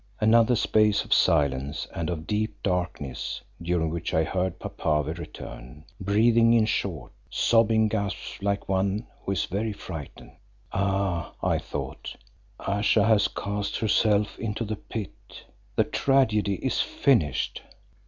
Another space of silence and of deep darkness, during which I heard Papave return, breathing in short, sobbing gasps like one who is very frightened. Ah! I thought, Ayesha has cast herself into the pit. The tragedy is finished!